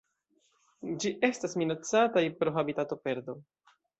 Ĝi estas minacataj pro habitatoperdo.